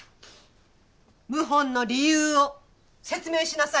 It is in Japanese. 謀反の理由を説明しなさい。